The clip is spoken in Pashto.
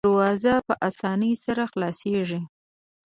دروازه په اسانۍ سره خلاصیږي.